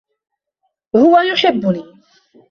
هو يحبّني.